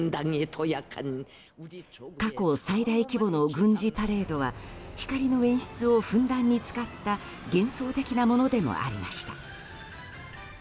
過去最大規模の軍事パレードは光の演出をふんだんに使った幻想的なものでもありました。